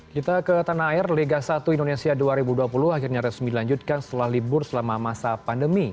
kita ke tanah air liga satu indonesia dua ribu dua puluh akhirnya resmi dilanjutkan setelah libur selama masa pandemi